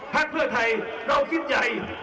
พักเพื่อไทยเราคิดใหญ่